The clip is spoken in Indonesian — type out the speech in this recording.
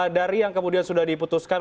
dari yang kemudian sudah diputuskan